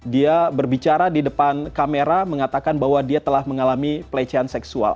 dia berbicara di depan kamera mengatakan bahwa dia telah mengalami pelecehan seksual